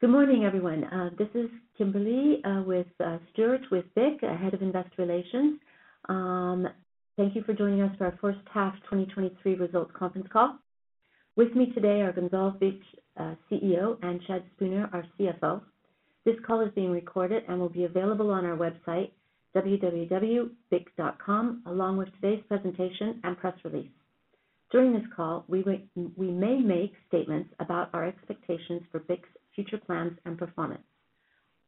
Good morning, everyone. This is Kimberly, with BIC, Head of Investor Relations. Thank you for joining us for our first half 2023 results conference call. With me today are Gonzalve Bich, CEO, and Chad Spooner, our CFO. This call is being recorded and will be available on our website, www.bic.com, along with today's presentation and press release. During this call, we may make statements about our expectations for BIC's future plans and performance.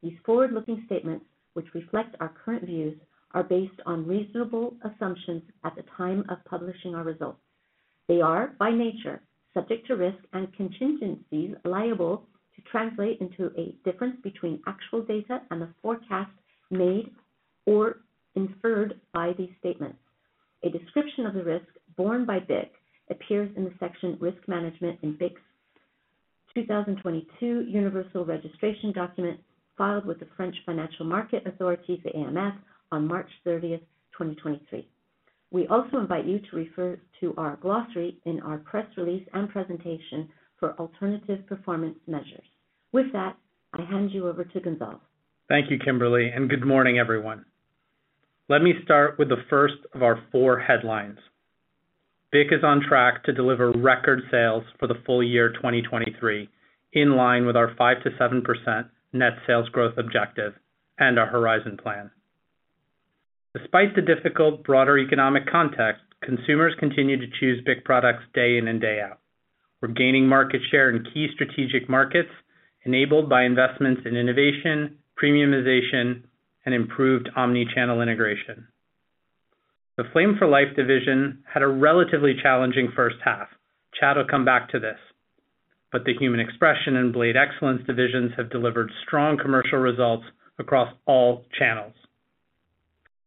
These forward-looking statements, which reflect our current views, are based on reasonable assumptions at the time of publishing our results. They are, by nature, subject to risk and contingencies liable to translate into a difference between actual data and the forecast made or inferred by these statements. A description of the risk borne by BIC appears in the section Risk Management in BIC's 2022 universal registration document, filed with the French Financial Market Authority, the AMF, on March 30th, 2023. We also invite you to refer to our glossary in our press release and presentation for alternative performance measures. With that, I hand you over to Gonzalve. Thank you, Kimberly. Good morning, everyone. Let me start with the first of our 4 headlines. BIC is on track to deliver record sales for the full year 2023, in line with our 5%-7% net sales growth objective and our Horizon plan. Despite the difficult broader economic context, consumers continue to choose BIC products day in and day out. We're gaining market share in key strategic markets, enabled by investments in innovation, premiumization, and improved omnichannel integration. The Flame for Life division had a relatively challenging first half. Chad will come back to this, but the Human Expression and Blade Excellence divisions have delivered strong commercial results across all channels.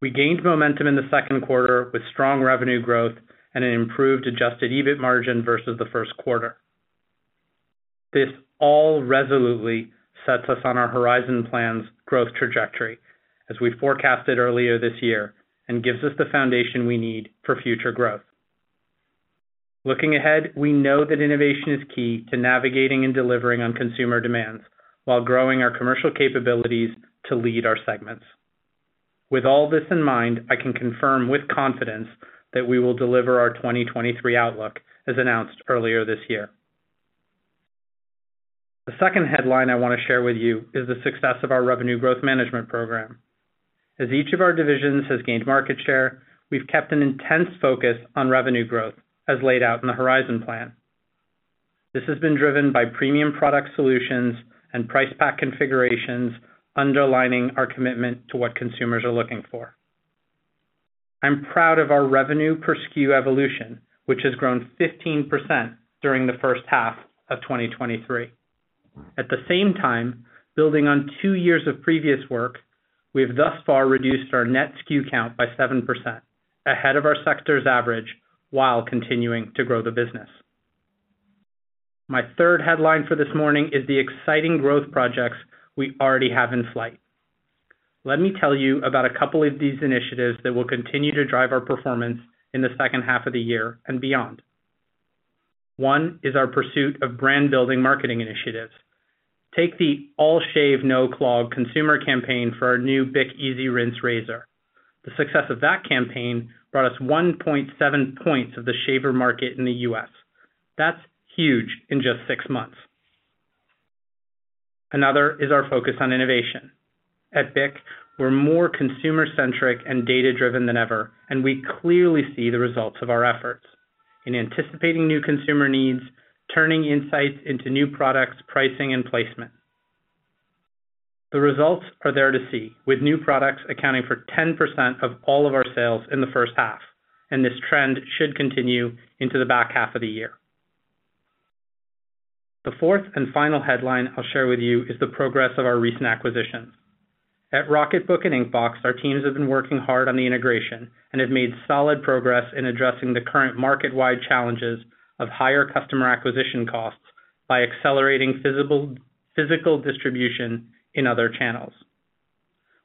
We gained momentum in the Q2 with strong revenue growth and an improved adjusted EBIT margin versus the first quarter. This all resolutely sets us on our Horizon plan's growth trajectory as we forecasted earlier this year, and gives us the foundation we need for future growth. Looking ahead, we know that innovation is key to navigating and delivering on consumer demands, while growing our commercial capabilities to lead our segments. With all this in mind, I can confirm with confidence that we will deliver our 2023 outlook, as announced earlier this year. The second headline I want to share with you is the success of our revenue growth management program. As each of our divisions has gained market share, we've kept an intense focus on revenue growth, as laid out in the Horizon plan. This has been driven by premium product solutions and price-pack configurations, underlining our commitment to what consumers are looking for. I'm proud of our revenue per SKU evolution, which has grown 15% during the first half of 2023. At the same time, building on 2 years of previous work, we have thus far reduced our net SKU count by 7%, ahead of our sector's average, while continuing to grow the business. My third headline for this morning is the exciting growth projects we already have in flight. Let me tell you about a couple of these initiatives that will continue to drive our performance in the second half of the year and beyond. One is our pursuit of brand-building marketing initiatives. Take the All Shave. No Clog. consumer campaign for our new BIC EasyRinse razor. The success of that campaign brought us 1.7 points of the shaver market in the U.S. That's huge in just 6 months. Another is our focus on innovation. At BIC, we're more consumer-centric and data-driven than ever, and we clearly see the results of our efforts in anticipating new consumer needs, turning insights into new products, pricing, and placement. The results are there to see, with new products accounting for 10% of all of our sales in the first half, and this trend should continue into the back half of the year. The fourth and final headline I'll share with you is the progress of our recent acquisitions. At Rocketbook and Inkbox, our teams have been working hard on the integration and have made solid progress in addressing the current market-wide challenges of higher customer acquisition costs by accelerating physical distribution in other channels.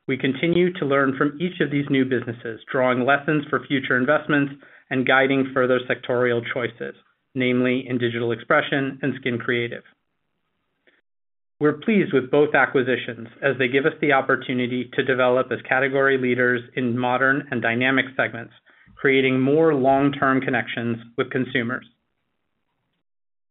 We continue to learn from each of these new businesses, drawing lessons for future investments and guiding further sectorial choices, namely in Digital Expression and Skin Creative. We're pleased with both acquisitions as they give us the opportunity to develop as category leaders in modern and dynamic segments, creating more long-term connections with consumers.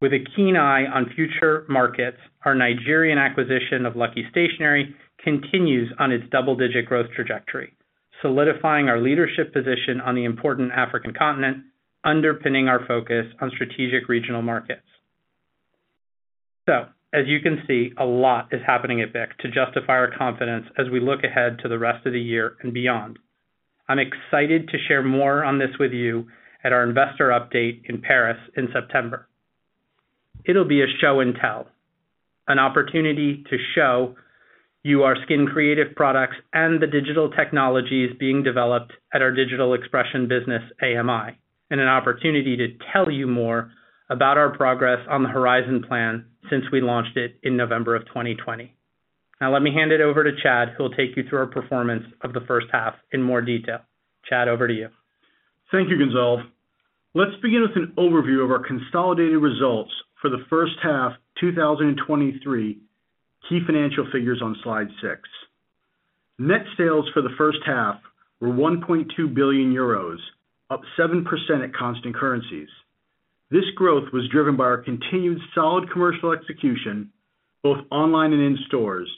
With a keen eye on future markets, our Nigerian acquisition of Lucky Stationery continues on its double-digit growth trajectory, solidifying our leadership position on the important African continent, underpinning our focus on strategic regional markets. As you can see, a lot is happening at BIC to justify our confidence as we look ahead to the rest of the year and beyond. I'm excited to share more on this with you at our investor update in Paris in September. It'll be a show and tell, an opportunity to show you our Skin Creative products and the digital technologies being developed at our Digital Expression business, AMI, and an opportunity to tell you more about our progress on the Horizon plan since we launched it in November of 2020. Now let me hand it over to Chad, who will take you through our performance of the first half in more detail. Chad, over to you.... Thank you, Gonzalve. Let's begin with an overview of our consolidated results for the first half, 2023, key financial figures on Slide six. Net sales for the first half were € 1.2 billion, up 7% at constant currencies. This growth was driven by our continued solid commercial execution, both online and in stores,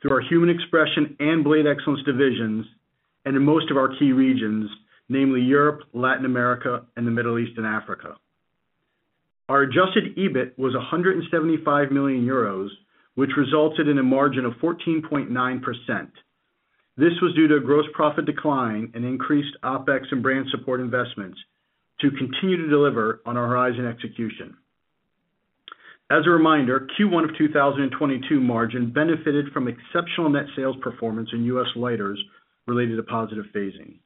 through our Human Expression and Blade Excellence divisions, and in most of our key regions, namely Europe, Latin America, and the Middle East and Africa. Our adjusted EBIT was € 175 million, which resulted in a margin of 14.9%. This was due to a gross profit decline and increased OpEx and brand support investments to continue to deliver on our Horizon execution. As a reminder, Q1 of 2022 margin benefited from exceptional net sales performance in U.S. Lighters related to positive phasing.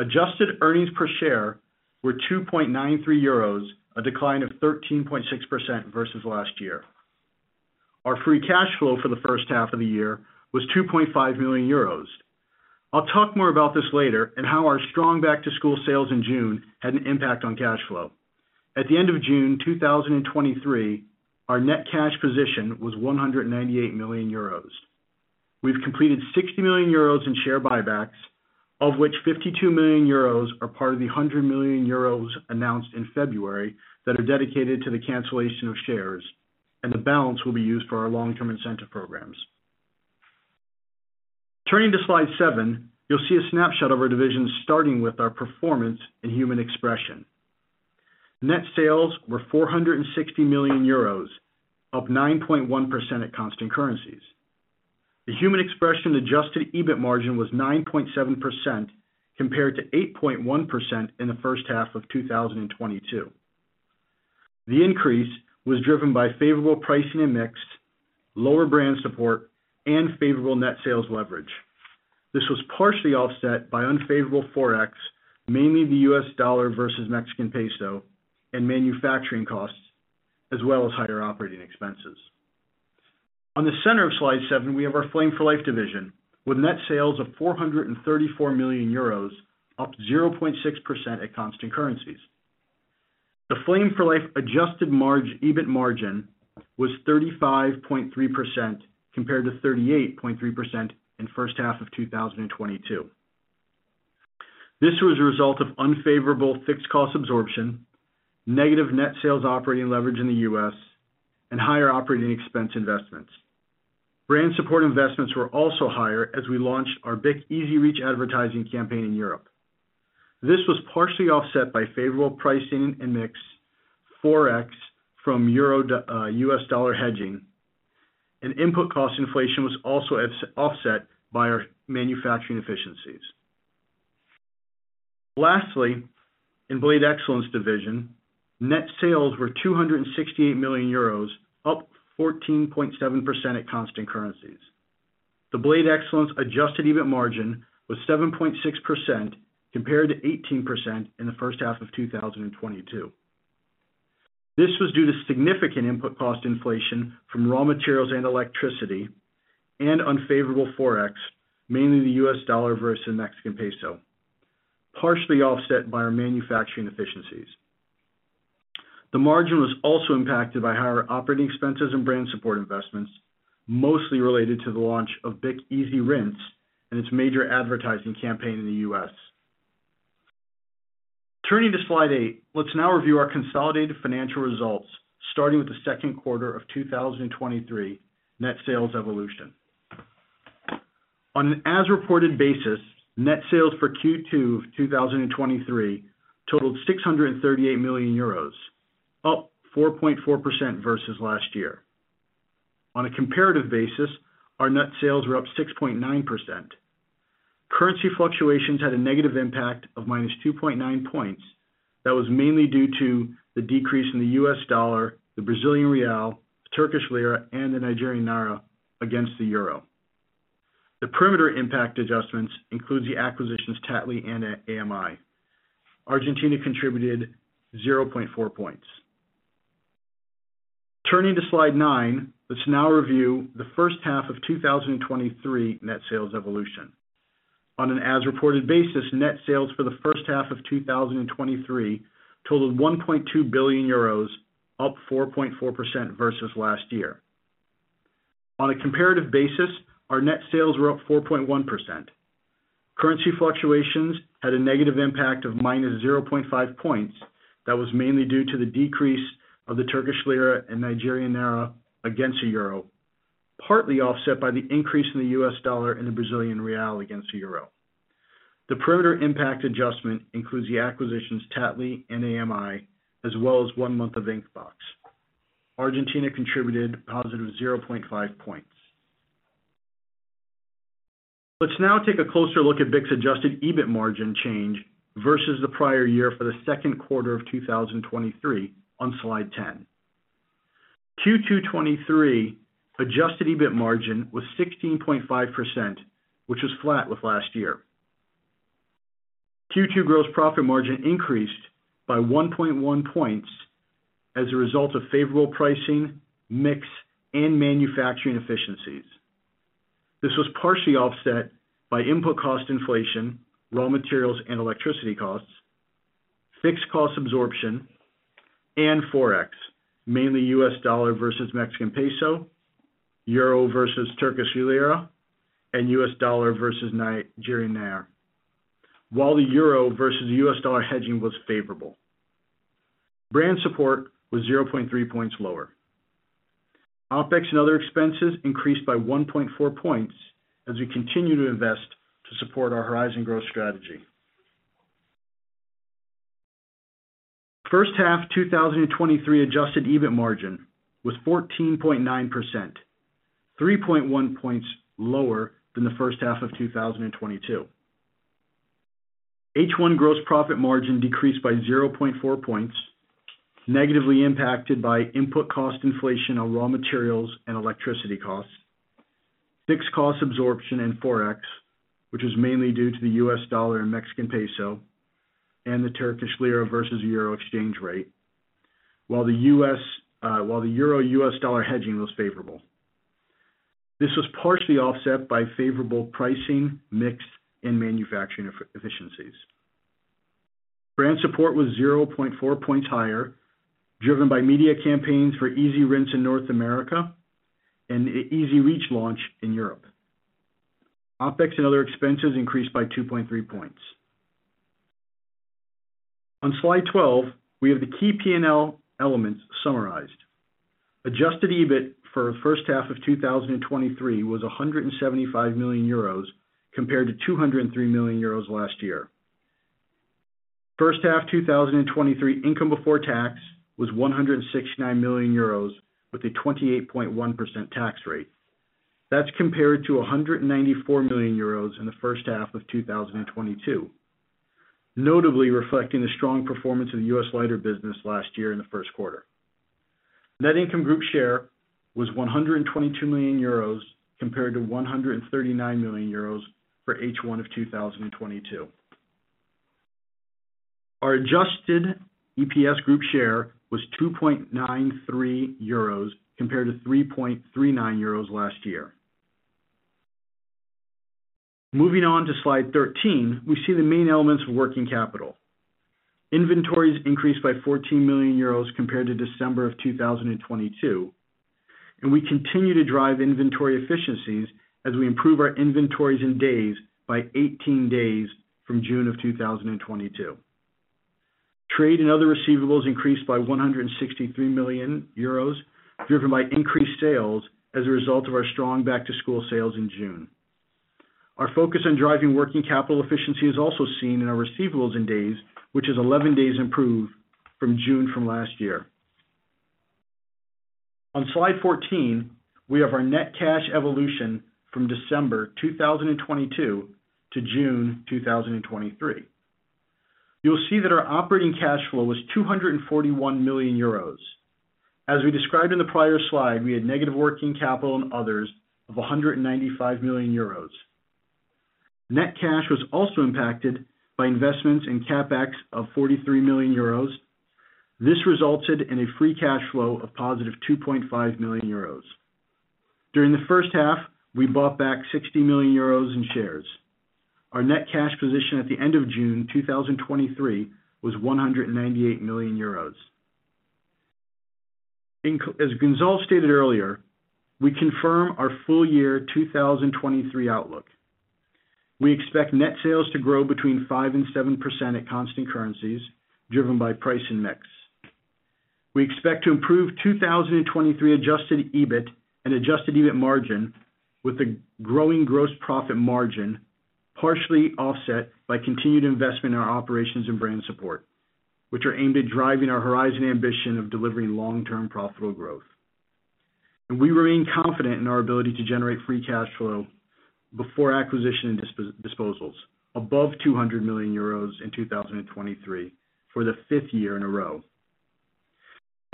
Adjusted earnings per share were € 2.93, a decline of 13.6% versus last year. Our free cash flow for the first half of the year was € 2.5 million. I'll talk more about this later, and how our strong back-to-school sales in June had an impact on cash flow. At the end of June 2023, our net cash position was € 198 million. We've completed € 60 million in share buybacks, of which € 52 million are part of the € 100 million announced in February that are dedicated to the cancellation of shares, and the balance will be used for our long-term incentive programs. Turning to Slide 7, you'll see a snapshot of our divisions, starting with our performance in Human Expression. Net sales were € 460 million, up 9.1% at constant currencies. The Human Expression adjusted EBIT margin was 9.7%, compared to 8.1% in the first half of 2022. The increase was driven by favorable pricing and mix, lower brand support, and favorable net sales leverage. This was partially offset by unfavorable Forex, mainly the US dollar versus Mexican peso, and manufacturing costs, as well as higher OpEx. On the center of Slide 7, we have our Flame for Life division, with net sales of € 434 million, up 0.6% at constant currencies. The Flame for Life adjusted EBIT margin was 35.3%, compared to 38.3% in first half of 2022. This was a result of unfavorable fixed cost absorption, negative net sales operating leverage in the U.S., and higher operating expense investments. Brand support investments were also higher as we launched our BIC EZ Reach advertising campaign in Europe. This was partially offset by favorable pricing and mix, Forex from Euro US dollar hedging, and input cost inflation was also offset by our manufacturing efficiencies. Lastly, in Blade Excellence division, net sales were € 268 million, up 14.7% at constant currencies. The Blade Excellence adjusted EBIT margin was 7.6%, compared to 18% in the first half of 2022. This was due to significant input cost inflation from raw materials and electricity and unfavorable Forex, mainly the US dollar versus the Mexican peso, partially offset by our manufacturing efficiencies. The margin was also impacted by higher operating expenses and brand support investments, mostly related to the launch of BIC EasyRinse and its major advertising campaign in the U.S. Turning to Slide 8, let's now review our consolidated financial results, starting with the Q2 of 2023, net sales evolution. On an as-reported basis, net sales for Q2 of 2023 totaled € 638 million, up 4.4% versus last year. On a comparative basis, our net sales were up 6.9%. Currency fluctuations had a negative impact of -2.9 points. That was mainly due to the decrease in the US dollar, the Brazilian real, the Turkish lira, and the Nigerian naira against the Euro. The perimeter impact adjustments includes the acquisitions, Tattly and AMI. Argentina contributed 0.4 points. Turning to Slide 9, let's now review the first half of 2023 net sales evolution. On an as-reported basis, net sales for the first half of 2023 totaled € 1.2 billion, up 4.4% versus last year. On a comparative basis, our net sales were up 4.1%. Currency fluctuations had a negative impact of -0.5 points. That was mainly due to the decrease of the Turkish lira and Nigerian naira against the euro, partly offset by the increase in the US dollar and the Brazilian real against the euro. The perimeter impact adjustment includes the acquisitions, Tattly and AMI, as well as one month of Inkbox. Argentina contributed +0.5 points. Let's now take a closer look at BIC's adjusted EBIT margin change versus the prior year for the Q2 of 2023 on Slide 10. Q2 2023 adjusted EBIT margin was 16.5%, which was flat with last year. Q2 gross profit margin increased by 1.1 points as a result of favorable pricing, mix, and manufacturing efficiencies. This was partially offset by input cost inflation, raw materials and electricity costs, fixed cost absorption, and Forex, mainly US dollar versus Mexican peso, euro versus Turkish lira, and US dollar versus Nigerian naira. The Euro versus US dollar hedging was favorable. Brand support was 0.3 points lower. OpEx and other expenses increased by 1.4 points as we continue to invest to support our Horizon growth strategy. First half, 2023 adjusted EBIT margin was 14.9%, 3.1 points lower than the first half of 2022. H1 gross profit margin decreased by 0.4 points, negatively impacted by input cost inflation on raw materials and electricity costs, fixed cost absorption and Forex, which is mainly due to the US dollar and Mexican peso and the Turkish lira versus Euro exchange rate, while the US, while the Euro-US dollar hedging was favorable. This was partially offset by favorable pricing, mix, and manufacturing efficiencies. Brand support was 0.4 points higher, driven by media campaigns for EasyRinse in North America and EZ Reach launch in Europe. OpEx and other expenses increased by 2.3 points. On slide 12, we have the key PNL elements summarized. Adjusted EBIT for the first half of 2023 was € 175 million compared to € 203 million last year. First half 2023 income before tax was € 169 million, with a 28.1% tax rate. That's compared to € 194 million in the first half of 2022, notably reflecting the strong performance of the U.S. lighter business last year in the Q2. Net income group share was € 122 million, compared to € 139 million for H1 of 2022. Our adjusted EPS group share was € 2.93, compared to € 3.39 last year. Moving on to slide 13, we see the main elements of working capital. Inventories increased by € 14 million compared to December 2022, and we continue to drive inventory efficiencies as we improve our inventories in days by 18 days from June 2022. Trade and other receivables increased by € 163 million, driven by increased sales as a result of our strong back-to-school sales in June. Our focus on driving working capital efficiency is also seen in our receivables in days, which is 11 days improved from June from last year. On slide 14, we have our net cash evolution from December 2022 to June 2023. You'll see that our operating cash flow was € 241 million. As we described in the prior slide, we had negative working capital and others of € 195 million. Net cash was also impacted by investments in CapEx of € 43 million. This resulted in a free cash flow of positive € 2.5 million. During the first half, we bought back € 60 million in shares. Our net cash position at the end of June 2023 was € 198 million. As Gonzalve stated earlier, we confirm our full year 2023 outlook. We expect net sales to grow between 5% and 7% at constant currencies, driven by price and mix. We expect to improve 2023 adjusted EBIT and adjusted EBIT margin, with the growing gross profit margin partially offset by continued investment in our operations and brand support, which are aimed at driving our Horizon ambition of delivering long-term profitable growth. We remain confident in our ability to generate free cash flow before acquisition and disposals, above € 200 million in 2023 for the fifth year in a row.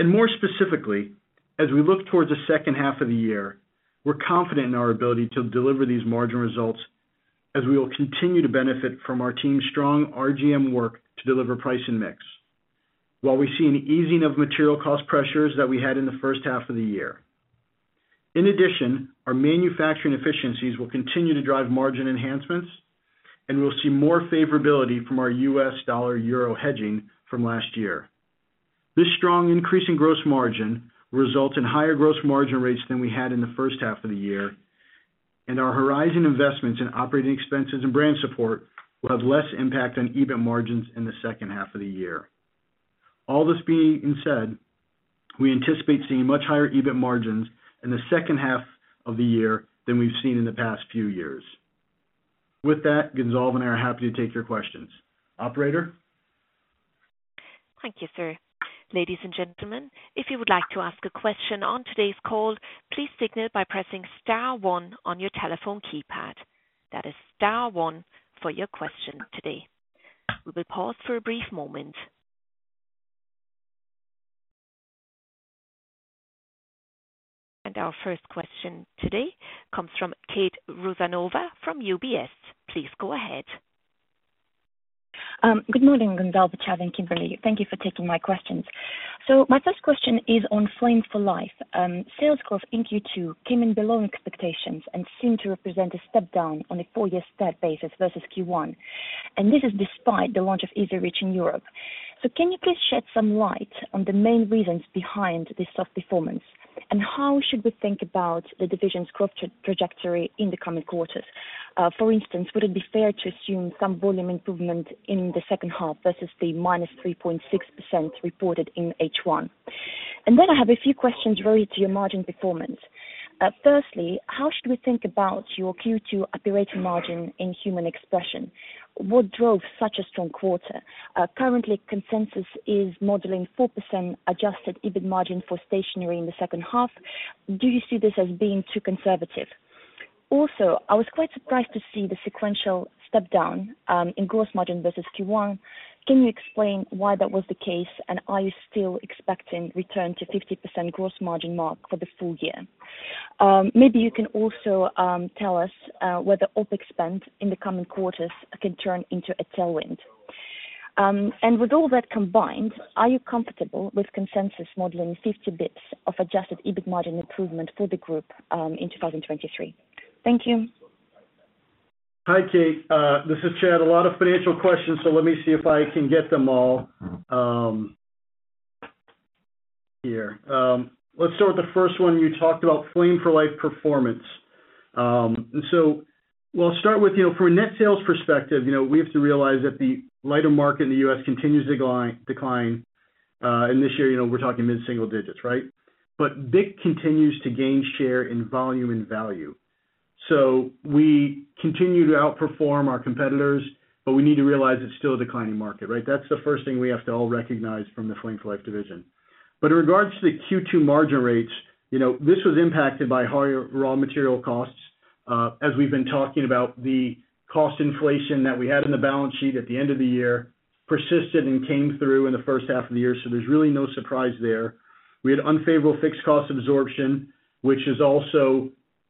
More specifically, as we look towards the second half of the year, we're confident in our ability to deliver these margin results as we will continue to benefit from our team's strong RGM work to deliver price and mix, while we see an easing of material cost pressures that we had in the first half of the year. Our manufacturing efficiencies will continue to drive margin enhancements, and we'll see more favorability from our US dollar/euro hedging from last year. This strong increase in gross margin will result in higher gross margin rates than we had in the first half of the year. Our Horizon investments in operating expenses and brand support will have less impact on EBIT margins in the second half of the year. All this being said, we anticipate seeing much higher EBIT margins in the second half of the year than we've seen in the past few years. With that, Gonzalve and I are happy to take your questions. Operator? Thank you, sir. Ladies and gentlemen, if you would like to ask a question on today's call, please signal by pressing S one on your telephone keypad. That is S one for your question today. We will pause for a brief moment. Our first question today comes from Kate Rusanova from UBS. Please go ahead. Good morning, Gonzalve, Chad, and Kimberly. Thank you for taking my questions. My first question is on Flame for Life. Sales growth in Q2 came in below expectations and seemed to represent a step down on a 4-year stack basis versus Q1, and this is despite the launch of EZ Reach in Europe. Can you please shed some light on the main reasons behind this soft performance, and how should we think about the division's growth trajectory in the coming quarters? For instance, would it be fair to assume some volume improvement in the second half versus the -3.6% reported in H1? I have a few questions related to your margin performance. Firstly, how should we think about your Q2 operating margin in Human Expression? What drove such a strong quarter? Currently, consensus is modeling 4% adjusted EBIT margin for stationery in the second half. Do you see this as being too conservative? I was quite surprised to see the sequential step down in gross margin versus Q1. Can you explain why that was the case, and are you still expecting return to 50% gross margin mark for the full year? Maybe you can also tell us whether OpEx spend in the coming quarters can turn into a tailwind. With all that combined, are you comfortable with consensus modeling 50 basis points of adjusted EBIT margin improvement for the group in 2023? Thank you. Hi, Kate. This is Chad. A lot of financial questions, let me see if I can get them all here. Let's start with the first one. You talked about Flame for Life performance. We'll start with, you know, from a net sales perspective, you know, we have to realize that the lighter market in the U.S. continues to decline. This year, you know, we're talking mid single digits, right? BIC continues to gain share in volume and value. We continue to outperform our competitors, but we need to realize it's still a declining market, right? That's the first thing we have to all recognize from the Flame for Life division. In regards to the Q2 margin rates, you know, this was impacted by higher raw material costs. As we've been talking about, the cost inflation that we had in the balance sheet at the end of the year persisted and came through in the first half of the year, so there's really no surprise there. We had unfavorable fixed cost absorption, which is also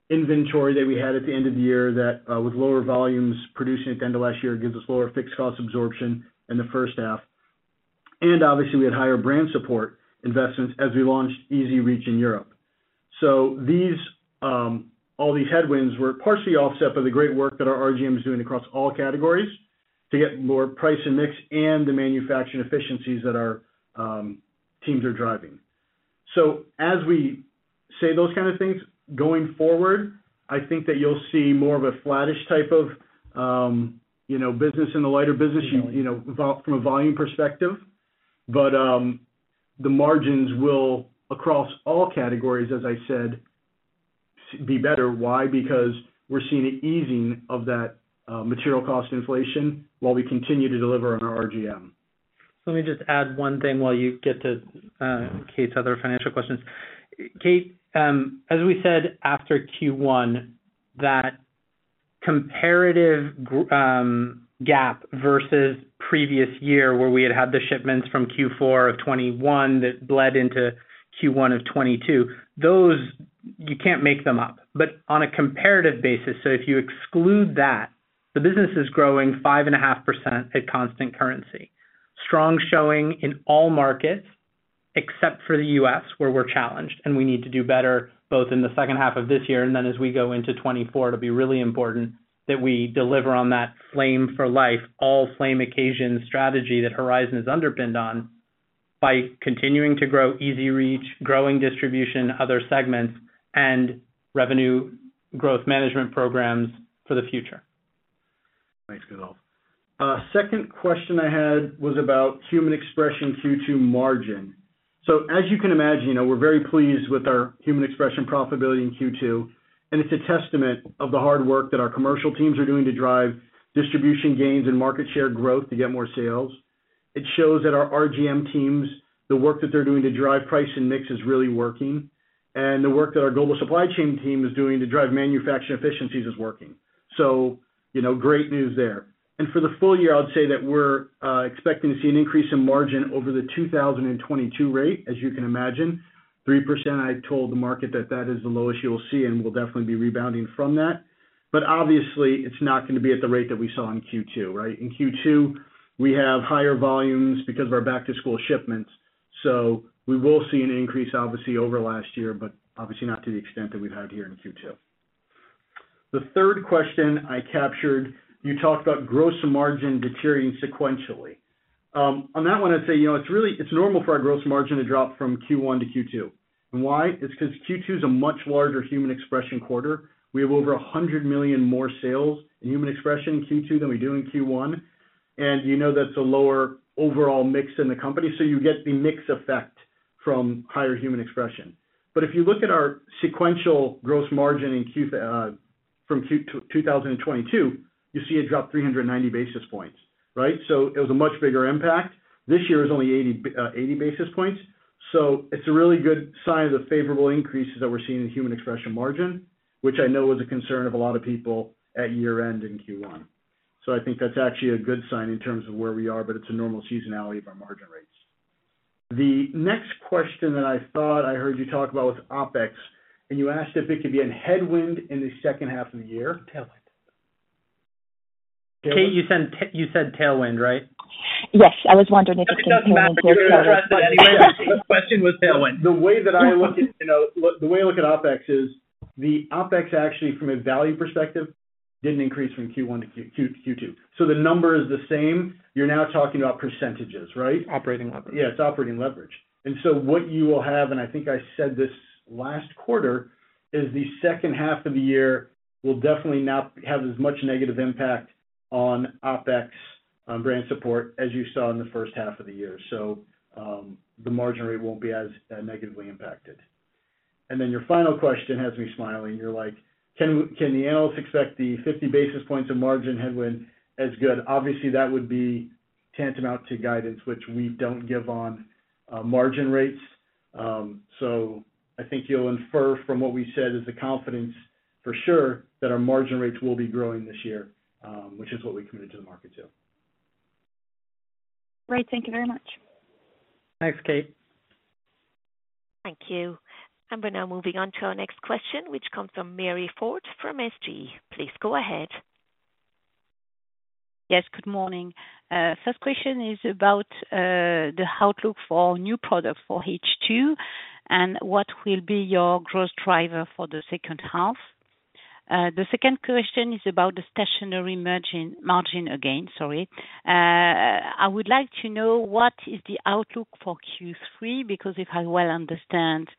inventory that we had at the end of the year that, with lower volumes producing at the end of last year, gives us lower fixed cost absorption in the first half. Obviously, we had higher brand support investments as we launched EZ Reach in Europe. These, all these headwinds were partially offset by the great work that our RGM is doing across all categories to get more price and mix and the manufacturing efficiencies that our teams are driving. As we say those kind of things, going forward, I think that you'll see more of a flattish type of, business in the lighter business, you know, from a volume perspective. The margins will, across all categories, as I said, be better. Why? Because we're seeing an easing of that, material cost inflation while we continue to deliver on our RGM. Let me just add one thing while you get to Kate's other financial questions. Kate, as we said after Q1, that comparative gap versus previous year, where we had the shipments from Q4 of 2021 that bled into Q1 of 2022, those, you can't make them up. On a comparative basis, so if you exclude that, the business is growing 5.5% at constant currency. Strong showing in all markets, except for the U.S., where we're challenged, and we need to do better, both in the second half of this year, and then as we go into 2024, it'll be really important that we deliver on that Flame for Life, all flame occasion strategy that Horizon has underpinned on, by continuing to grow EZ Reach, growing distribution in other segments, and revenue growth management programs for the future. Thanks, Gonzalve. Second question I had was about Human Expression Q2 margin. As you can imagine, you know, we're very pleased with our Human Expression profitability in Q2, and it's a testament of the hard work that our commercial teams are doing to drive distribution gains and market share growth to get more sales. It shows that our RGM teams, the work that they're doing to drive price and mix, is really working, and the work that our global supply chain team is doing to drive manufacturing efficiencies is working. You know, great news there. For the full year, I would say that we're expecting to see an increase in margin over the 2022 rate, as you can imagine. 3%, I told the market that that is the lowest you will see, and we'll definitely be rebounding from that. Obviously, it's not going to be at the rate that we saw in Q2, right? In Q2, we have higher volumes because of our back-to-school shipments, so we will see an increase, obviously, over last year, but obviously not to the extent that we've had here in Q2. The third question I captured, you talked about gross margin deteriorating sequentially. On that one, I'd say, you know, it's normal for our gross margin to drop from Q1 to Q2. Why? It's because Q2 is a much larger Human Expression quarter. We have over € 100 million more sales in Human Expression in Q2 than we do in Q1, and you know that's a lower overall mix in the company, so you get the mix effect from higher Human Expression. If you look at our sequential gross margin in Q from 2022, you see it dropped 390 basis points, right? It was a much bigger impact. This year is only 80 basis points. It's a really good sign of the favorable increases that we're seeing in Human Expression margin, which I know was a concern of a lot of people at year-end in Q1. I think that's actually a good sign in terms of where we are, but it's a normal seasonality of our margin right there. The next question that I thought I heard you talk about was OpEx, and you asked if it could be a headwind in the second half of the year? Tailwind. Kate, you said tailwind, right? I was wondering if it's tailwind or headwind. The question was tailwind. The way that I look at, you know, the way I look at OpEx is, the OpEx actually, from a value perspective, didn't increase from Q1 to Q2. The number is the same. You're now talking about percentages, right? Operating leverage. Yeah, it's operating leverage. What you will have, and I think I said this last quarter, is the second half of the year will definitely not have as much negative impact on OpEx, on brand support as you saw in the first half of the year. The margin rate won't be as negatively impacted. Your final question has me smiling. You're like, "Can the analyst expect the 50 basis points of margin headwind as good?" Obviously, that would be tantamount to guidance, which we don't give on margin rates. I think you'll infer from what we said, is the confidence for sure, that our margin rates will be growing this year, which is what we committed to the market too. Great. Thank you very much. Thanks, Kate. Thank you. We're now moving on to our next question, which comes from Marie-Line Fort from SG. Please go ahead. Yes, good morning. First question is about the outlook for new product for H2, and what will be your growth driver for the second half? The second question is about the Stationery margin again, sorry. I would like to know, what is the outlook for Q3, because if I well understand,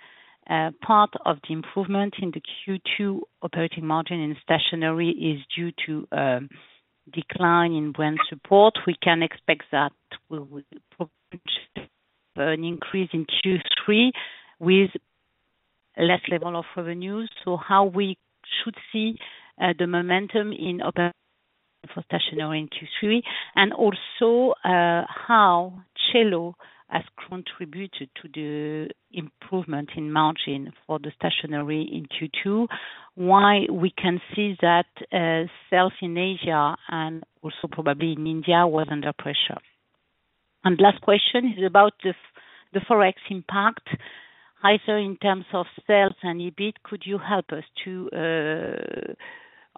part of the improvement in the Q2 operating margin in Stationery is due to decline in brand support. We can expect that we would an increase in Q3 with less level of revenues. How we should see the momentum for Stationery in Q3? How Cello has contributed to the improvement in margin for the Stationery in Q2, why we can see that sales in Asia and also probably in India, was under pressure? Last question is about the Forex impact, either in terms of sales and EBIT, could you help us to,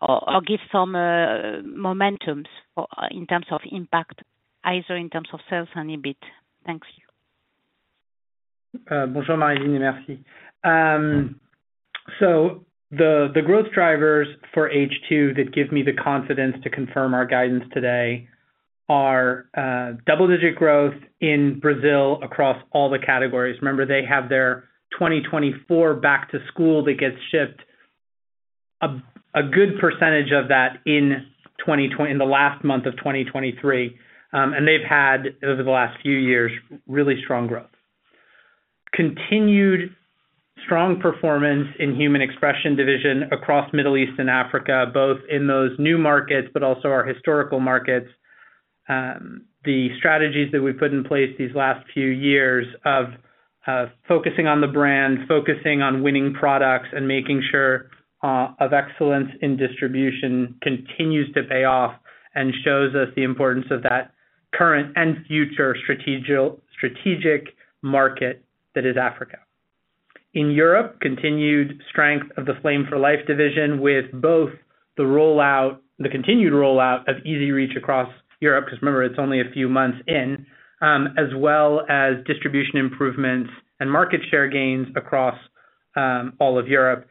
or give some momentums In terms of impact, either in terms of sales and EBIT? Thank you. Bonjour, Marie, merci. The growth drivers for H2 that give me the confidence to confirm our guidance today are double-digit growth in Brazil across all the categories. Remember, they have their 2024 back to school that gets shipped a good percentage of that in the last month of 2023. They've had, over the last few years, really strong growth. Continued strong performance in Human Expression division across Middle East and Africa, both in those new markets, also our historical markets. The strategies that we've put in place these last few years of focusing on the brand, focusing on winning products, making sure of excellence in distribution, continues to pay off shows us the importance of that current and future strategic market that is Africa. In Europe, continued strength of the Flame for Life division, with both the rollout, the continued rollout of EZ Reach across Europe, because remember, it's only a few months in, as well as distribution improvements and market share gains across all of Europe.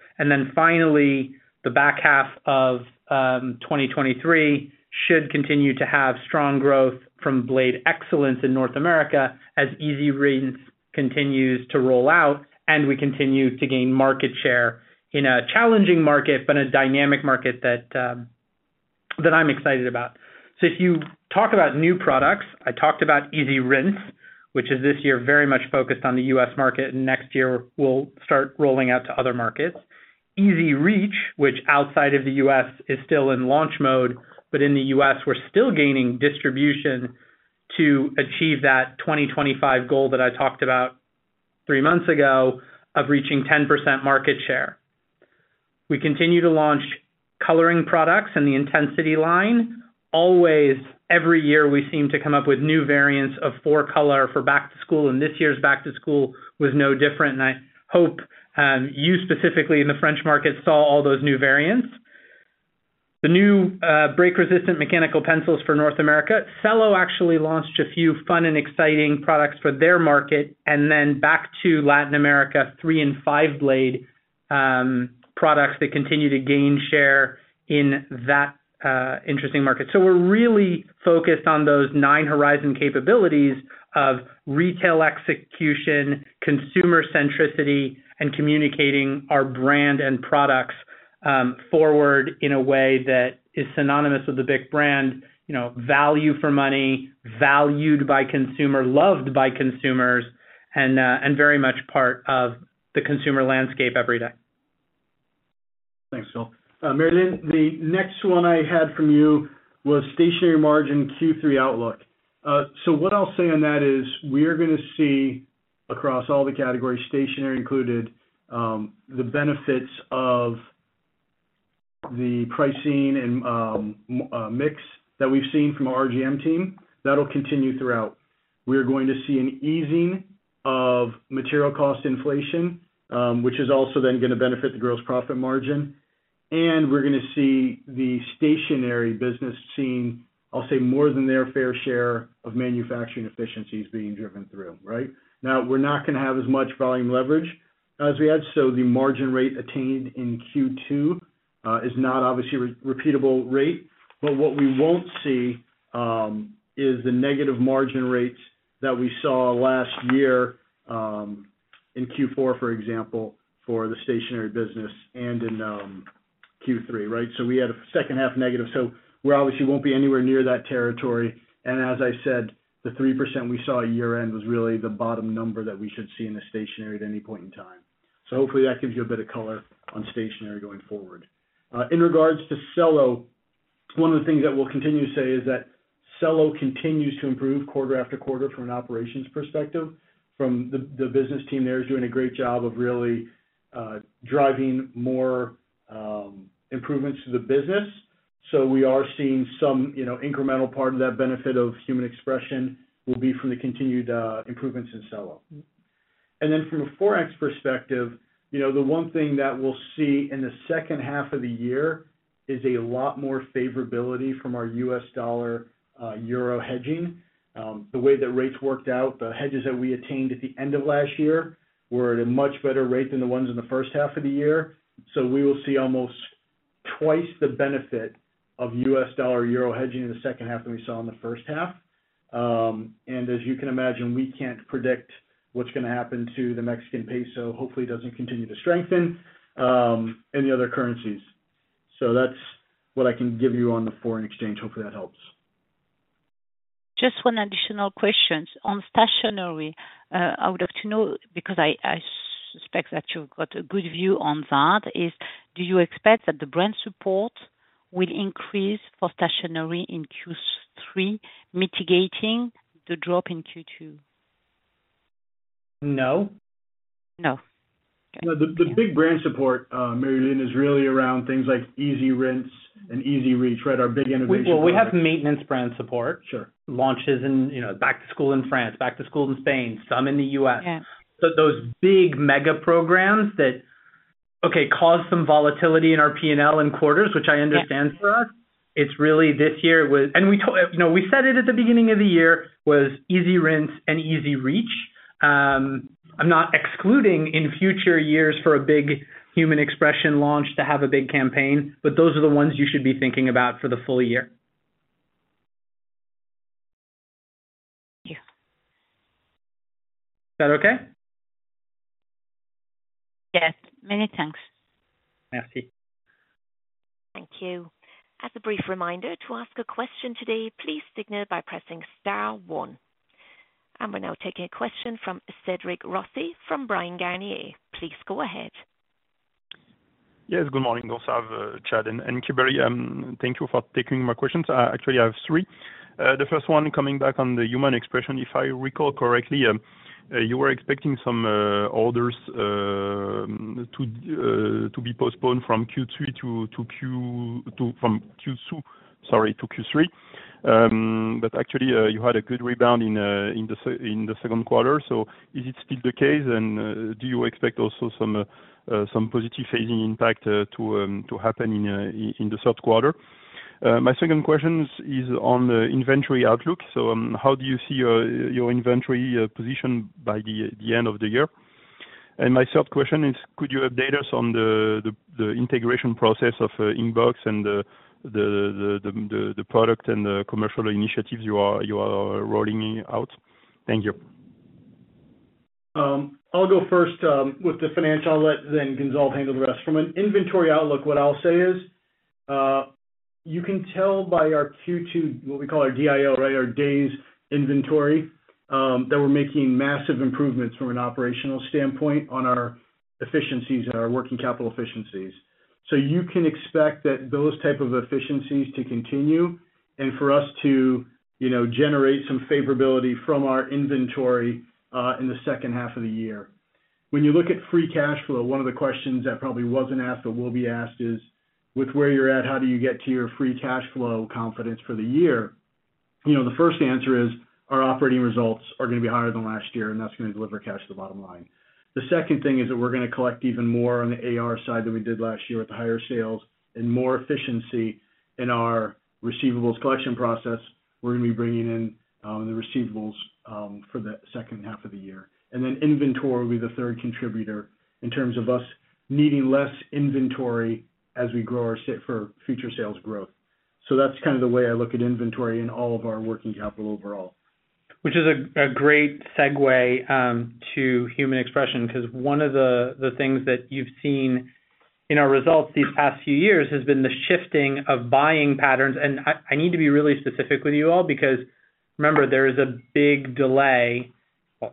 Finally, the back half of 2023 should continue to have strong growth from Blade Excellence in North America, as EasyRinse continues to roll out, and we continue to gain market share in a challenging market, but a dynamic market that I'm excited about. If you talk about new products, I talked about EasyRinse, which is this year, very much focused on the U.S. market, and next year will start rolling out to other markets. EZ Reach, which outside of the U.S., is still in launch mode, but in the U.S., we're still gaining distribution to achieve that 2025 goal that I talked about 3 months ago, of reaching 10% market share. We continue to launch coloring products in the Intensity line. Always, every year, we seem to come up with new variants of 4-Color for back to school, and this year's back to school was no different, and I hope, you specifically in the French market, saw all those new variants. The new, break-resistant mechanical pencils for North America. Cello actually launched a few fun and exciting products for their market, and then back to Latin America, 3 and 5 blade products that continue to gain share in that interesting market. We're really focused on those 9 Horizon capabilities of retail execution, consumer centricity, and communicating our brand and products, forward in a way that is synonymous with the BIC brand, you know, value for money, valued by consumer, loved by consumers, and very much part of the consumer landscape every day. Thanks, Gonzalve. Mary, the next one I had from you was Stationery margin Q3 outlook. What I'll say on that is, we are gonna see across all the categories, Stationery included, the benefits of the pricing and mix that we've seen from our RGM team, that'll continue throughout. We are going to see an easing of material cost inflation, which is also then gonna benefit the gross profit margin. We're gonna see the Stationery business seeing, I'll say, more than their fair share of manufacturing efficiencies being driven through, right? Now, we're not gonna have as much volume leverage as we had, the margin rate attained in Q2 is not obviously a repeatable rate. What we won't see is the negative margin rates that we saw last year in Q4, for example, for the Stationery business and in Q3, right. We had a second half negative. We obviously won't be anywhere near that territory. As I said, the 3% we saw at year-end was really the bottom number that we should see in the Stationery at any point in time. Hopefully that gives you a bit of color on Stationery going forward. In regards to Cello, one of the things that we'll continue to say is that Cello continues to improve quarter after quarter from an operations perspective, from the business team there is doing a great job of really driving more improvements to the business. We are seeing some, you know, incremental part of that benefit of Human Expression will be from the continued improvements in Cello. From a Forex perspective, you know, the one thing that we'll see in the second half of the year is a lot more favorability from our US dollar, euro hedging. The way that rates worked out, the hedges that we attained at the end of last year were at a much better rate than the ones in the first half of the year. We will see almost twice the benefit of US dollar-euro hedging in the second half than we saw in the first half. As you can imagine, we can't predict what's gonna happen to the Mexican peso. Hopefully, it doesn't continue to strengthen, any other currencies. That's what I can give you on the foreign exchange. Hopefully, that helps. Just 1 additional question. On stationery, I would love to know, because I suspect that you've got a good view on that, is do you expect that the brand support will increase for stationery in Q3, mitigating the drop in Q2? No. No? Okay. No, the big brand support, Marie-Line, is really around things like EasyRinse and EZ Reach, right? Well, we have maintenance brand support. Sure. Launches in, you know, back to school in France, back to school in Spain, some in the U.S. Yeah. Those big mega programs that, okay, caused some volatility in our P&L in quarters, which I understand. For us, it's really this year. We said it at the beginning of the year, was EasyRinse and EZ Reach. I'm not excluding in future years for a big Human Expression launch to have a big campaign, but those are the ones you should be thinking about for the full year. Thank you. Is that okay? Yes, many thanks. Merci. Thank you. As a brief reminder, to ask a question today, please signal by pressing S one. We're now taking a question from Cédric Rossi, from Bryan, Garnier & Co. Please go ahead. Yes, good morning, also, I have Chad and Kimberly. Thank you for taking my questions. Actually, I have three. The first one, coming back on the Human Expression, if I recall correctly, you were expecting some orders to be postponed from Q3 to from Q2, sorry, to Q3. But actually, you had a good rebound in the Q2. Is it still the case? Do you expect also some positive phasing impact to happen in the third quarter? My second question is on the inventory outlook. How do you see your inventory position by the end of the year? My third question is, could you update us on the integration process of Inkbox and the product and the commercial initiatives you are rolling out? Thank you. I'll go first with the financial, I'll let Gonzalve handle the rest. From an inventory outlook, what I'll say is, you can tell by our Q2, what we call our DII, right? Our days inventory, that we're making massive improvements from an operational standpoint on our efficiencies and our working capital efficiencies. You can expect that those type of efficiencies to continue and for us to, you know, generate some favorability from our inventory in the second half of the year. When you look at free cash flow, one of the questions that probably wasn't asked, but will be asked, is: With where you're at, how do you get to your free cash flow confidence for the year? You know, the first answer is, our operating results are gonna be higher than last year, and that's gonna deliver cash to the bottom line. The second thing is that we're going to collect even more on the AR side than we did last year with the higher sales and more efficiency in our receivables collection process. We're going to be bringing in, the receivables, for the second half of the year. Inventory will be the third contributor in terms of us needing less inventory as we grow for future sales growth. That's kind of the way I look at inventory in all of our working capital overall. Which is a great segue to Human Expression, 'cause one of the things that you've seen in our results these past few years has been the shifting of buying patterns. I need to be really specific with you all, because remember, there is a big delay... Well,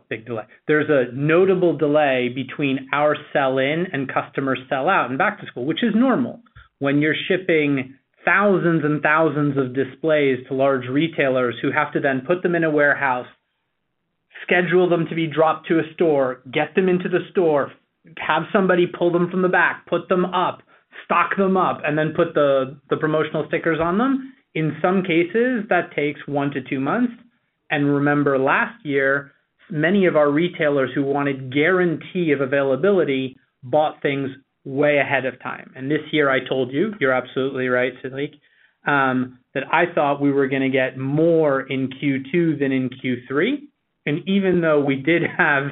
big delay. There's a notable delay between our sell-in and customer sell-out in back-to-school, which is normal. When you're shipping thousands and thousands of displays to large retailers who have to then put them in a warehouse, schedule them to be dropped to a store, get them into the store, have somebody pull them from the back, put them up, stock them up, and then put the promotional stickers on them. In some cases, that takes 1-2 months. Remember, last year, many of our retailers who wanted guarantee of availability bought things way ahead of time. This year, I told you're absolutely right, Cédric, that I thought we were gonna get more in Q2 than in Q3. Even though we did have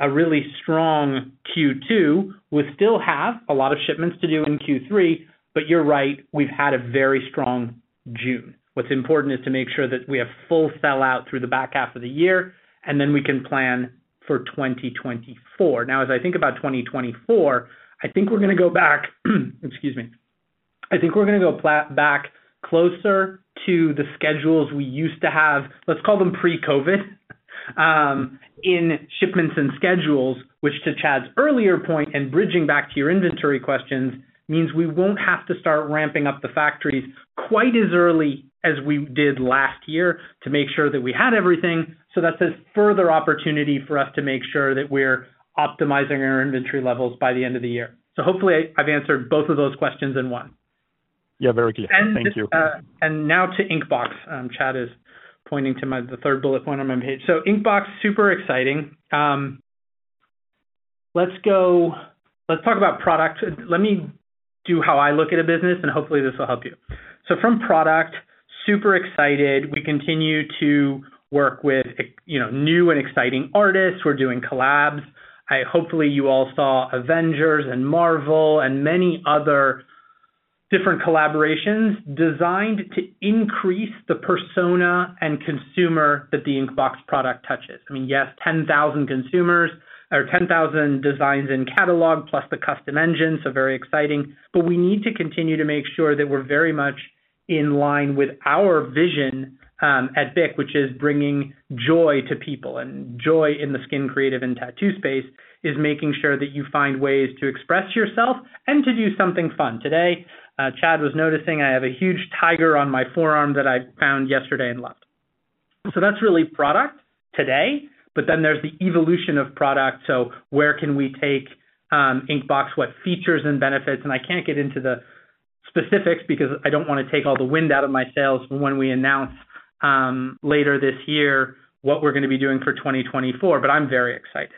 a really strong Q2, we still have a lot of shipments to do in Q3. You're right, we've had a very strong June. What's important is to make sure that we have full sell-out through the back half of the year, and then we can plan for 2024. Now, as I think about 2024, I think we're gonna go back, excuse me. I think we're gonna go back closer to the schedules we used to have, let's call them pre-COVID, in shipments and schedules, which to Chad's earlier point, and bridging back to your inventory questions, means we won't have to start ramping up the factories quite as early as we did last year to make sure that we had everything. That's a further opportunity for us to make sure that we're optimizing our inventory levels by the end of the year. Hopefully, I've answered both of those questions in one. Yeah, very clear. Thank you. Now to Inkbox. Chad is pointing to the third bullet point on my page. Inkbox, super exciting. Let's talk about product. Let me do how I look at a business, and hopefully, this will help you. From product, super excited. We continue to work with, you know, new and exciting artists. We're doing collabs. Hopefully, you all saw Avengers and Marvel and many other different collaborations designed to increase the persona and consumer that the Inkbox product touches. I mean, yes, 10,000 consumers or 10,000 designs in catalog, plus the custom engine, very exciting. We need to continue to make sure that we're very much in line with our vision at BIC, which is bringing joy to people. Joy in the Skin Creative and tattoo space, is making sure that you find ways to express yourself and to do something fun. Today, Chad was noticing I have a huge tiger on my forearm that I found yesterday and loved. That's really product today, but then there's the evolution of product. Where can we take Inkbox? What features and benefits? I can't get into the specifics because I don't wanna take all the wind out of my sails when we announce later this year, what we're gonna be doing for 2024. I'm very excited.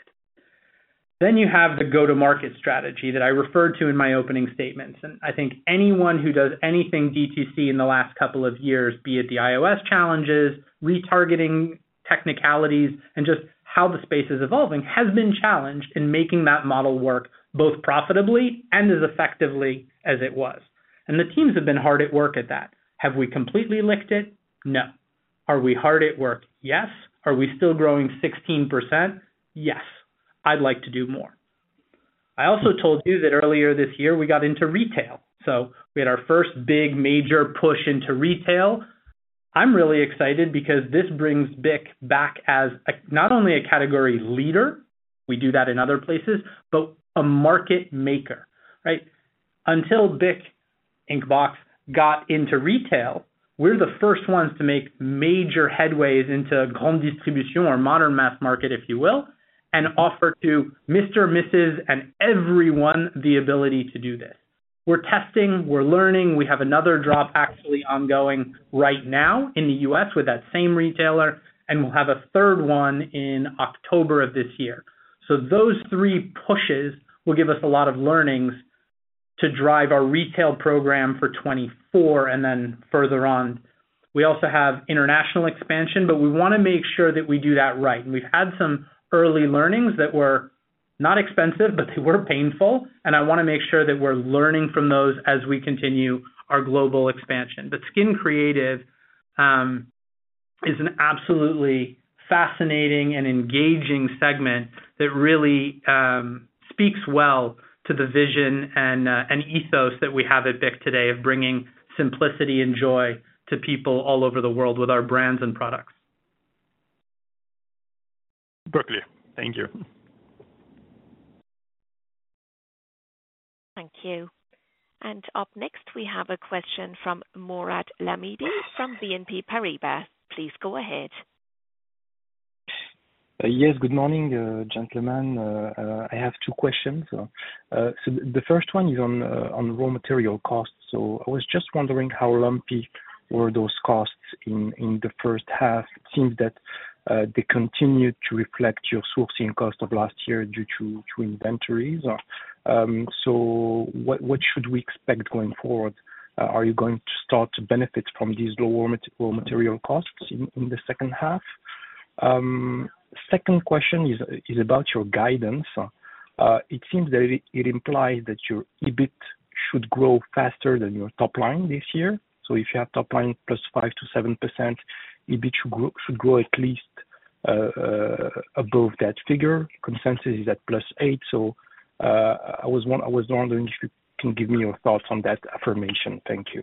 You have the go-to-market strategy that I referred to in my opening statements. I think anyone who does anything DTC in the last couple of years, be it the iOS challenges, retargeting technicalities, and just how the space is evolving, has been challenged in making that model work, both profitably and as effectively as it was. The teams have been hard at work at that. Have we completely licked it? No. Are we hard at work? Yes. Are we still growing 16%? Yes. I'd like to do more. I told you that earlier this year, we got into retail. We had our first big major push into retail. I'm really excited because this brings BIC back as a, not only a category leader, we do that in other places, but a market maker, right? Until BIC Inkbox got into retail, we're the first ones to make major headways into distribution or modern mass market, if you will, and offer to Mr., Mrs., and everyone, the ability to do this. We're testing, we're learning. We have another drop actually ongoing right now in the U.S. with that same retailer, and we'll have a third one in October of this year. Those three pushes will give us a lot of learnings to drive our retail program for 2024 and then further on. We also have international expansion, but we wanna make sure that we do that right. We've had some early learnings that were not expensive, but they were painful, and I wanna make sure that we're learning from those as we continue our global expansion. Skin Creative is an absolutely fascinating and engaging segment that really speaks well to the vision and ethos that we have at BIC today of bringing simplicity and joy to people all over the world with our brands and products. Perfectly. Thank you. Thank you. Up next, we have a question from Morad Lamidi, from BNP Paribas. Please go ahead. Yes, good morning, gentlemen. I have 2 questions. The first one is on raw material costs. I was just wondering how lumpy were those costs in the first half? It seems that they continued to reflect your sourcing cost of last year due to inventories. What should we expect going forward? Are you going to start to benefit from these lower raw material costs in the second half? Second question is about your guidance. It seems that it implies that your EBIT should grow faster than your top line this year. If you have top line +5%-7%, EBIT should grow at least above that figure. Consensus is at +8. I was wondering if you can give me your thoughts on that affirmation. Thank you.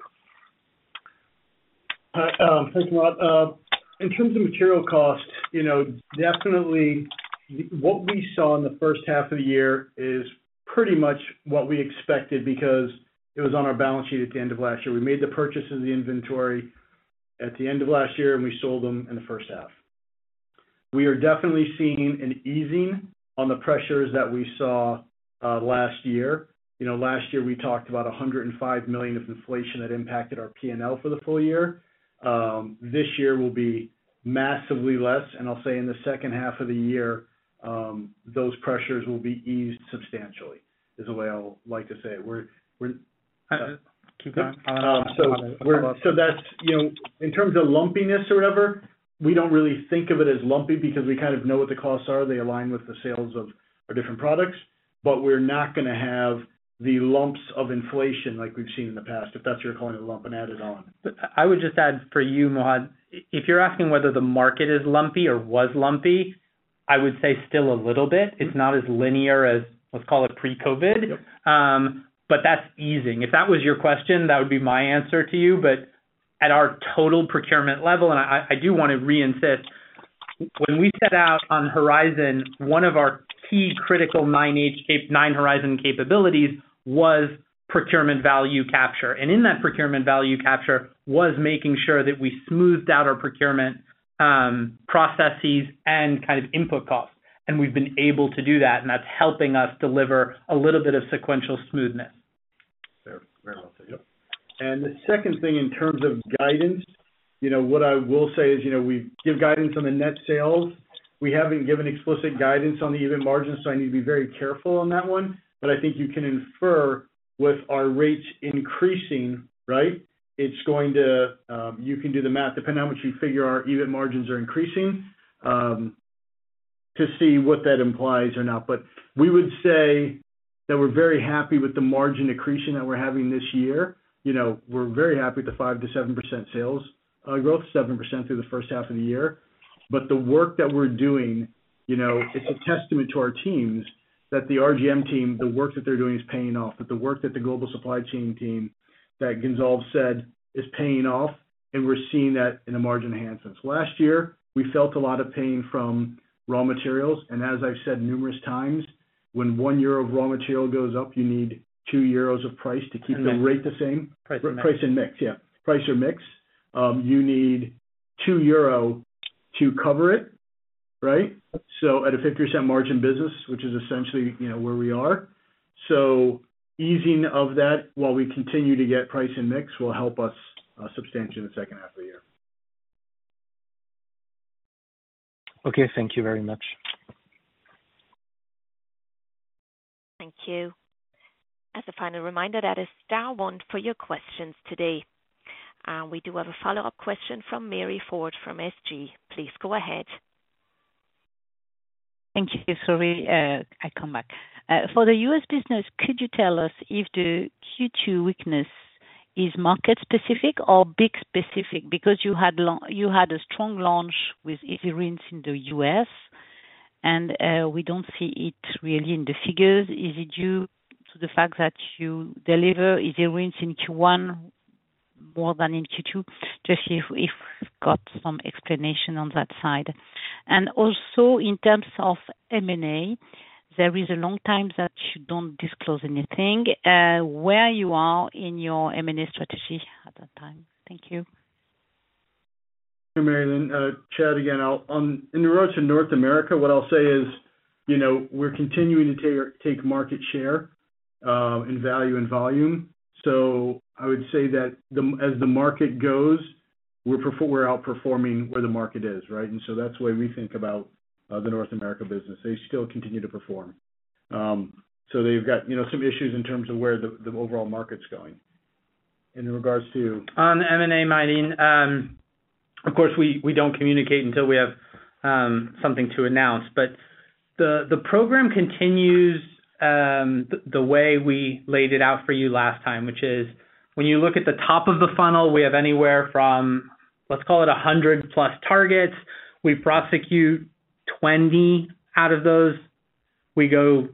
Thanks, Morad. In terms of material cost, you know, definitely, what we saw in the first half of the year... pretty much what we expected because it was on our balance sheet at the end of last year. We made the purchase of the inventory at the end of last year, and we sold them in the first half. We are definitely seeing an easing on the pressures that we saw last year. You know, last year we talked about € 105 million of inflation that impacted our PNL for the full year. This year will be massively less, and I'll say in the second half of the year, those pressures will be eased substantially, is the way I'll like to say it. Keep going. That's, you know, in terms of lumpiness or whatever, we don't really think of it as lumpy because we kind of know what the costs are. They align with the sales of our different products. We're not gonna have the lumps of inflation like we've seen in the past, if that's your calling it a lump and add it on. I would just add for you, Morad, if you're asking whether the market is lumpy or was lumpy, I would say still a little bit. It's not as linear as, let's call it, pre-COVID. Yep. That's easing. If that was your question, that would be my answer to you. At our total procurement level, I do wanna re-insist, when we set out on Horizon, one of our key critical nine Horizon capabilities was procurement value capture. In that procurement value capture, was making sure that we smoothed out our procurement processes and kind of input costs, and we've been able to do that, and that's helping us deliver a little bit of sequential smoothness. Fair. Fair enough. Yep. The second thing, in terms of guidance, you know, what I will say is, you know, we give guidance on the net sales. We haven't given explicit guidance on the EBIT margins. I need to be very careful on that one. I think you can infer, with our rates increasing, right, it's going to... You can do the math, depending on what you figure our EBIT margins are increasing to see what that implies or not. We would say that we're very happy with the margin accretion that we're having this year. You know, we're very happy with the 5%-7% sales growth, 7% through the first half of the year. The work that we're doing, you know, it's a testament to our teams that the RGM team, the work that they're doing is paying off, that the work that the global supply chain team, that Gonzalve said, is paying off, and we're seeing that in the margin enhancements. Last year, we felt a lot of pain from raw materials, and as I've said numerous times, when € 1 of raw material goes up, you need € 2 of price to keep the rate the same. Price and mix. Price and mix, yeah. Price or mix. You need € 2 to cover it, right? At a 50% margin business, which is essentially, you know, where we are. Easing of that, while we continue to get price and mix, will help us substantially in the second half of the year. Okay. Thank you very much. Thank you. As a final reminder, that is star one for your questions today. We do have a follow-up question from Marie-Line Fort from SG. Please go ahead. Thank you. Sorry, I come back. For the U.S. business, could you tell us if the Q2 weakness is market specific or BIC specific? You had a strong launch with EasyRinse in the U.S., and we don't see it really in the figures. Is it due to the fact that you deliver EasyRinse in Q1 more than in Q2? Just if you've got some explanation on that side. Also in terms of M&A, there is a long time that you don't disclose anything. Where you are in your M&A strategy at that time? Thank you. Hey, Marie-Line, Chad again. I'll, in regards to North America, what I'll say is, you know, we're continuing to take market share in value and volume. I would say that as the market goes, we're outperforming where the market is, right? That's the way we think about the North America business. They still continue to perform. They've got, you know, some issues in terms of where the overall market's going. In regards to- On M&A, Marie-Line, of course, we don't communicate until we have something to announce. The program continues, the way we laid it out for you last time, which is when you look at the top of the funnel, we have anywhere from, let's call it, 100-plus targets. We prosecute 20 out of those. We go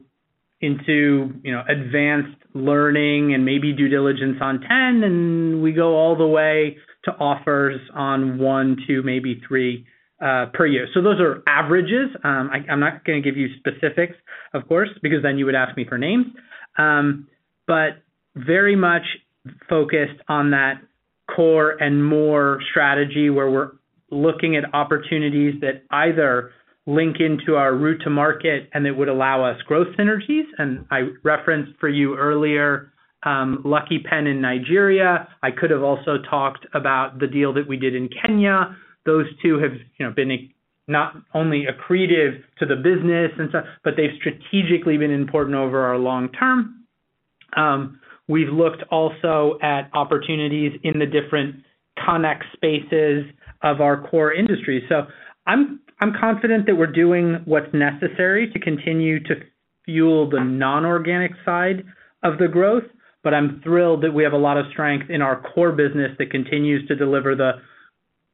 into, you know, advanced learning and maybe due diligence on 10, and we go all the way to offers on 1, 2, maybe 3 per year. Those are averages. I'm not gonna give you specifics, of course, because then you would ask me for names. Very much focused on that core and more strategy, where we're looking at opportunities that either link into our route to market and that would allow us growth synergies. I referenced for you earlier, Lucky Pen in Nigeria. I could have also talked about the deal that we did in Kenya. Those two have, you know, been not only accretive to the business and such, but they've strategically been important over our long term. We've looked also at opportunities in the different connect spaces of our core industry. I'm confident that we're doing what's necessary to continue to fuel the non-organic side of the growth, but I'm thrilled that we have a lot of strength in our core business that continues to deliver the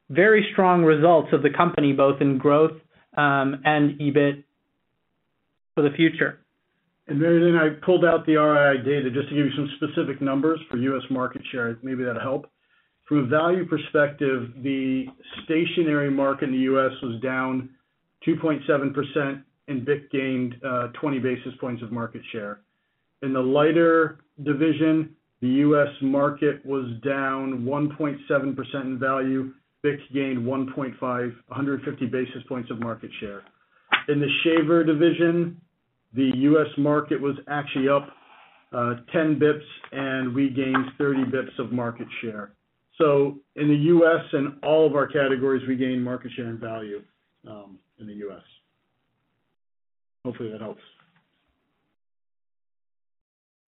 very strong results of the company, both in growth, and EBIT for the future. I pulled out the IRI data, just to give you some specific numbers for U.S. market share. Maybe that'll help. From a value perspective, the stationery market in the U.S. was down 2.7%, and BIC gained 20 basis points of market share. In the lighter division, the U.S. market was down 1.7% in value. BIC gained 1.5, 150 basis points of market share. In the shaver division, the U.S. market was actually up 10 bips, and we gained 30 bips of market share. In the U.S., in all of our categories, we gained market share and value in the U.S. Hopefully, that helps.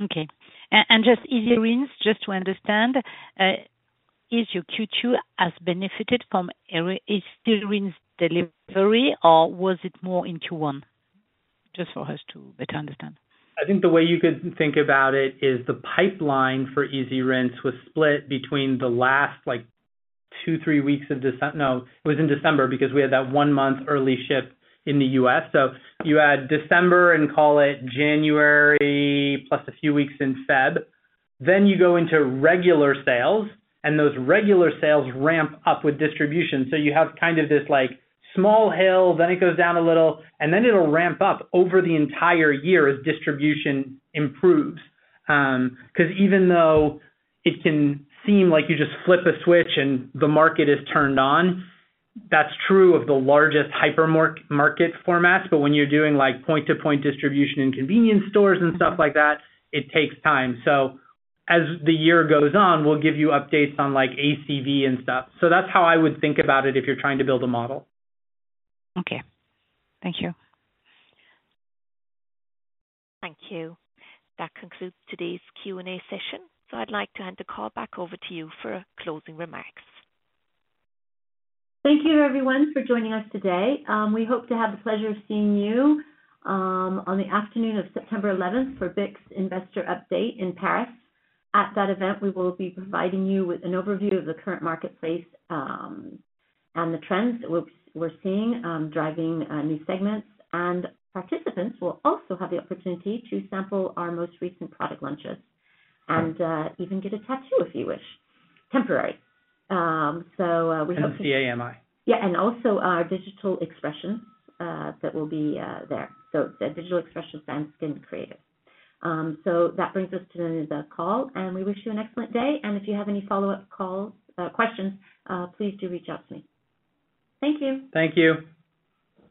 Okay. Just EasyRinse, just to understand, is your Q2 has benefited from EasyRinse delivery, or was it more in Q1? Just for us to better understand. I think the way you could think about it is the pipeline for EasyRinse was split between the last, like, 2, 3 weeks of December because we had that 1 month early ship in the U.S. You add December and call it January, plus a few weeks in February. You go into regular sales, and those regular sales ramp up with distribution. You have kind of this, like, small hill, then it goes down a little, and then it'll ramp up over the entire year as distribution improves. 'Cause even though it can seem like you just flip a switch and the market is turned on, that's true of the largest hypermarket formats, but when you're doing, like, point-to-point distribution in convenience stores and stuff like that, it takes time. As the year goes on, we'll give you updates on, like, ACV and stuff. That's how I would think about it if you're trying to build a model. Okay. Thank you. Thank you. That concludes today's Q&A session. I'd like to hand the call back over to you for closing remarks. Thank you, everyone, for joining us today. We hope to have the pleasure of seeing you on the afternoon of September 11th for BIC's Investor Update in Paris. At that event, we will be providing you with an overview of the current marketplace, and the trends that we're seeing, driving new segments. Participants will also have the opportunity to sample our most recent product launches and even get a tattoo if you wish, temporary. We hope AMI. Yeah, and also our Digital Expression that will be there. The Digital Expression and Skin Creative. That brings us to the end of the call, and we wish you an excellent day. If you have any follow-up calls, questions, please do reach out to me. Thank you. Thank you.